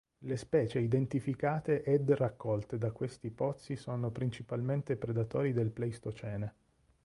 Le specie identificate ed raccolte da questi pozzi sono principalmente predatori del Pleistocene.